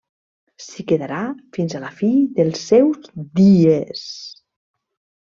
S'hi quedarà fins a la fi dels seus dies.